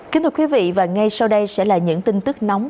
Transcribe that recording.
kính thưa quý vị và ngay sau đây sẽ là những tin tức nóng